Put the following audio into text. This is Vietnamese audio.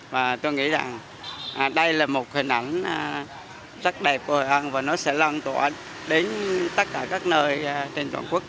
và tôi nghĩ rằng đây là một hình ảnh rất đẹp của hội an và nó sẽ lan tỏa đến tất cả các nơi trên toàn quốc